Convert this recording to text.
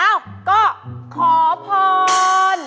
เอ้าก็ขอพร